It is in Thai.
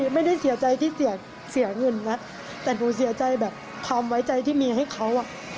ไม่ได้เสียใจที่เสียเงินนะแต่หนูเสียใจแบบความไว้ใจที่มีให้เขา